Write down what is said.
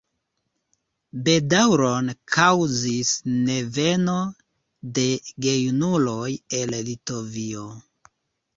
Bedaŭron kaŭzis neveno de gejunuloj el Litovio.